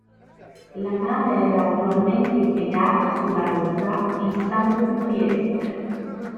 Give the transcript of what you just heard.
La nave era usualmente impiegata sulla rotta Istanbul-Trieste.